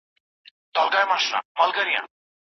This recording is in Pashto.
چي ډزي نه وي توري نه وي حادثې مو وهي